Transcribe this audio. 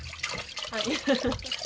はい。